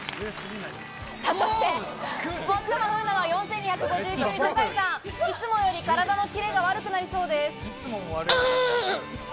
そして、最も不運なのは４２５９位の酒井さん、いつもより体のキレが悪くなりそうです。